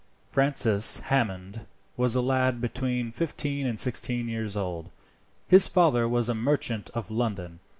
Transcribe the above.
Francis Hammond was a lad between fifteen and sixteen years old. His father was a merchant of London.